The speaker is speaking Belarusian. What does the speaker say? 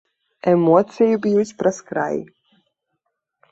Эмоцыі б'юць праз край.